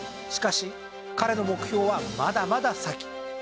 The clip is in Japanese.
しかし彼の目標はまだまだ先。